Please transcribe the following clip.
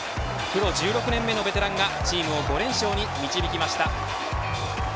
プロ１６年目のベテランがチームを５連勝に導きました。